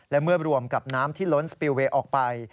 และเมื่อรวมกับน้ำที่ล้นสปิลเวย์ออกไป